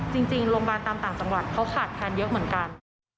จริงโรงพยาบาลตามต่างจังหวัดเขาขาดแคลนเยอะเหมือนกัน